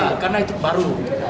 nggak karena itu baru